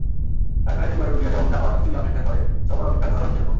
ডাক্তারের চেম্বারের রুগীরা যেমন চাপা অশান্তি নিয়ে অপেক্ষা করে-সবার অপেক্ষার ধরন সে-রকম।